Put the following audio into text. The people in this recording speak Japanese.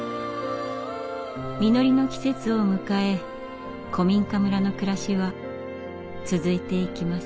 実りの季節を迎え古民家村の暮らしは続いていきます。